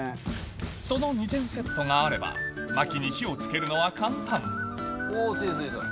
その２点セットがあればまきに火を付けるのは簡単おぉ付いた付いた。